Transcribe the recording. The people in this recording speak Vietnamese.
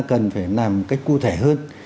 cần phải làm cách cụ thể hơn